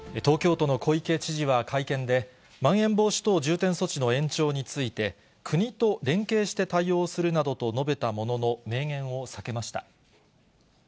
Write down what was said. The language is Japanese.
東京都の小池知事は会見で、まん延防止等重点措置の延長について、国と連携して対応するなどと述べたものの、明言を避けました。